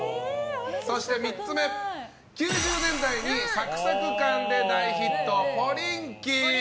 そして３つ目９０年代にサクサク感で大ヒットポリンキー。